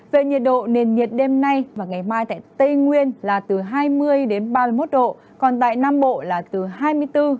về nhiệt độ nền nhiệt đêm nay và ngày mai tại tây nguyên là từ hai mươi ba mươi một độ còn tại nam bộ là từ hai mươi bốn ba mươi hai độ